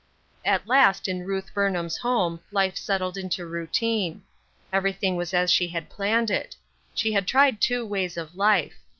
T last in Ruth Burnham's home, life settled into routine. Everything was as she had planned it. She had tried two ways of life.